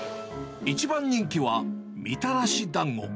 一番人気は、みたらしだんご。